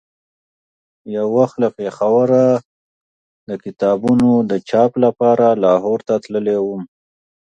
یو وخت له پېښوره د کتابونو د چاپ لپاره لاهور ته تللی وم.